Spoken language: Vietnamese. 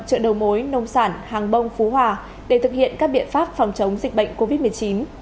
chợ đầu mối nông sản hàng bông phú hòa để thực hiện các biện pháp phòng chống dịch bệnh covid một mươi chín